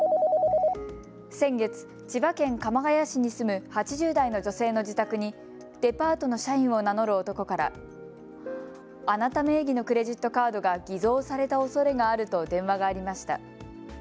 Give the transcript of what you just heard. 先月、千葉県鎌ケ谷市に住む８０代の女性の自宅にデパートの社員を名乗る男からあなた名義のクレジットカードが偽造されたおそれがあると電話がありました。